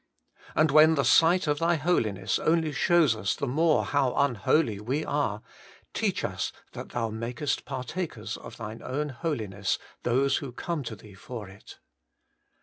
And when the sight of Thy Holiness only shows us the more how unholy we are, teach us that Thou makest partakers of Thy own Holiness those who come to Thee for it.